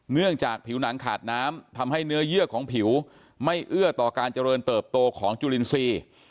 เนื่องจากผิวหนังขาดน้ำทำให้เนื้อเยื่อของผิวไม่เอื้อต่อการเจริญเติบโตของจุลินทรีย์